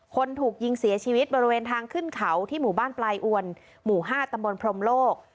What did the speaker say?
คนถูกยิงเสียชีวิตบริเวณทางขึ้นเขาที่หมู่บ้านปลายอวนหมู่๕ตำบลพรมโลก